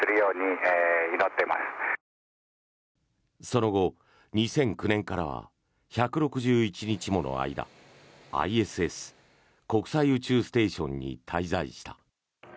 その後、２００９年からは１６１日もの間ＩＳＳ・国際宇宙ステーションに滞在した。